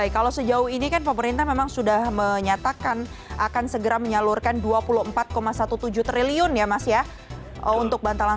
baik kalau sejauh ini kan pemerintah memang sudah menyatakan akan segera menyalurkan dua puluh empat tujuh belas triliun ya mas ya untuk bantalan sosial terkait dengan wacana atau rencana kenaikan harga bbm